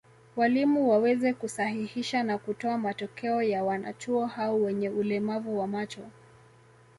Walimu waweze kusahihisha na kutoa matokeo ya wanachuo hao wenye ulemavu wa macho